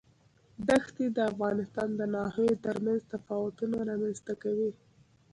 دښتې د افغانستان د ناحیو ترمنځ تفاوتونه رامنځ ته کوي.